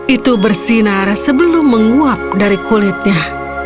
itu bersinar sebelum menguap dari kulitnya